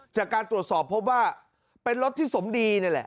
จากการตรวจสอบพบว่าเป็นรถที่สมดีนี่แหละ